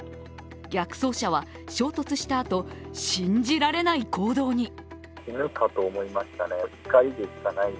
逆走車は衝突したあと信じられない行動に。